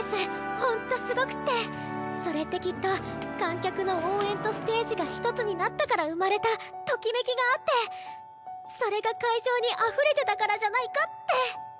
ほんとすごくってそれってきっと観客の応援とステージが一つになったから生まれたトキメキがあってそれが会場にあふれてたからじゃないかって。